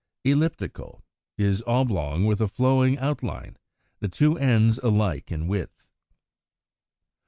Elliptical (Fig. 118) is oblong with a flowing outline, the two ends alike in width.